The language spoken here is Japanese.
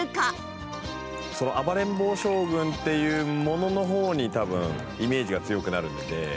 『暴れん坊将軍』っていうものの方に多分イメージが強くなるので。